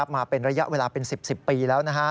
มาเป็นระยะเวลาเป็น๑๐ปีแล้ว